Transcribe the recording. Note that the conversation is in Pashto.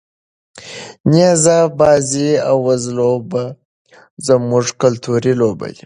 نیزه بازي او وزلوبه زموږ کلتوري لوبې دي.